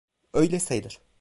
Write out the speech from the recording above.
Öyle sayılır.